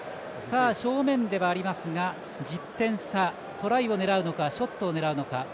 正面ではありますが１０点差トライを狙うのかショットを狙うのか。